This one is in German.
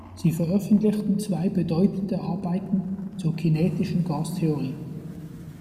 Sie veröffentlichten zwei bedeutende Arbeiten zur kinetischen Gastheorie.